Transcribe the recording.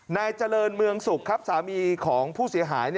นายเจริญเมืองสุขครับสามีของผู้เสียหาย